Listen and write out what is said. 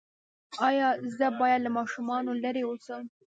ایا زه باید له ماشومانو لرې اوسم؟